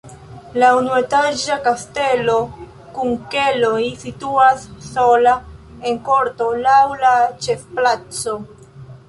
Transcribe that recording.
La unuetaĝa kastelo kun keloj situas sola en korto laŭ la ĉefplaco.